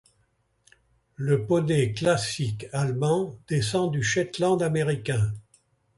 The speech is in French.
Le Poney classique allemand descend du Shetland américain.